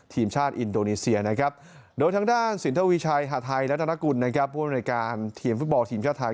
ตีมชาติอินโดนีเซียนะครับโดยทางด้านสิริญฐวีชัยฮาไทและธนกุลนะครับพวกมาจากอเมริกาทีมฟุตบอลทีมชาติไทย